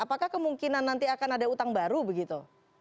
apakah kemungkinan nanti akan ada utang baru begitu